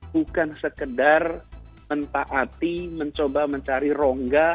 bukan sekedar mentaati mencoba mencari rongga